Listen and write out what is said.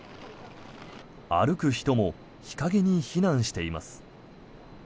歩く人も日陰に避難しています。